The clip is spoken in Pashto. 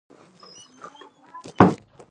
ژباړه یو هنر دی